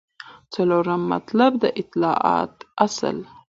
څلورم مطلب : د اطاعت اصل